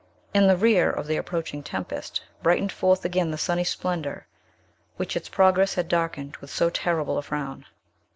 In the rear of the approaching tempest, brightened forth again the sunny splendor, which its progress had darkened with so terrible a frown.